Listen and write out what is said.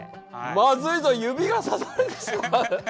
まずいぞ指が刺されてしまう！